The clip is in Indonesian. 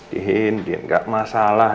din din gak masalah